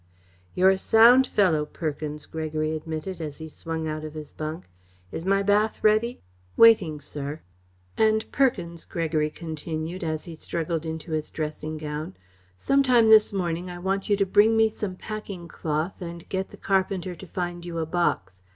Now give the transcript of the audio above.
"You're a sound fellow, Perkins," Gregory admitted, as he swung out of his bunk. "Is my bath ready?" "Waiting, sir." "And, Perkins," Gregory continued, as he struggled into his dressing gown, "some time this morning I want you to bring me some packing cloth and get the carpenter to find you a box.